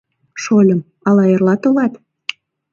Шольым, ала эрла толат?